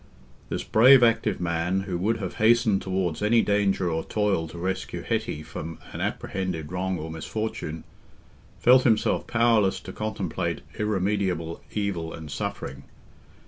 This brave active man, who would have hastened towards any danger or toil to rescue Hetty from an apprehended wrong or misfortune, felt himself powerless to contemplate irremediable evil and suffering.